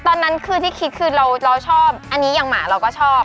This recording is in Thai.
ตอนนั้นคือที่คิดคือเราชอบอันนี้อย่างหมาเราก็ชอบ